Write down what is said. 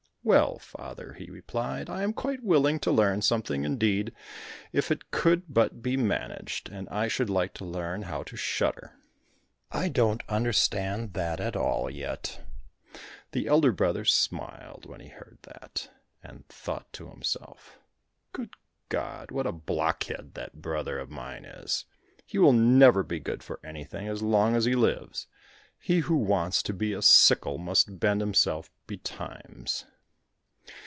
"Well, father," he replied, "I am quite willing to learn something—indeed, if it could but be managed, I should like to learn how to shudder. I don't understand that at all yet." The elder brother smiled when he heard that, and thought to himself, "Good God, what a blockhead that brother of mine is! He will never be good for anything as long as he lives. He who wants to be a sickle must bend himself betimes."